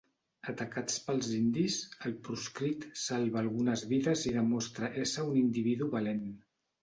Atacats pels indis, el proscrit salva algunes vides i demostra ésser un individu valent.